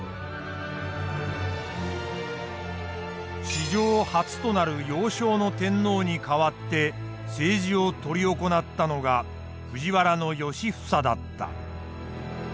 史上初となる幼少の天皇に代わって政治を執り行ったのが藤原良房だった。